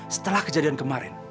setelah kejadian kemarin